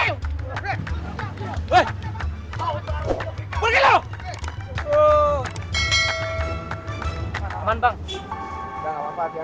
ayolah rahulgeme untuk penghantaran yaitu franky w